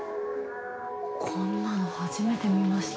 こんなの初めて見ました。